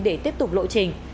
để tiếp tục lộ trình